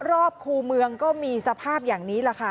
รอบคู่เมืองก็มีสภาพอย่างนี้แหละค่ะ